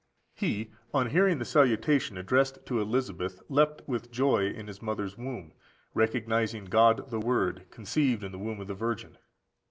45. He, on hearing the salutation addressed to Elisabeth, leaped with joy in his mother's womb, recognising God the Word conceived in the womb of the Virgin.